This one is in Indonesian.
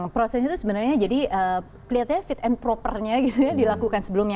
prosesnya itu sebenarnya jadi kelihatannya fit and propernya gitu ya dilakukan sebelumnya